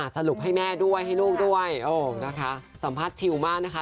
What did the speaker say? สรุปให้แม่ด้วยให้ลูกด้วยนะคะสัมภาษณ์ชิลมากนะคะ